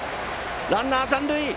ランナー残塁。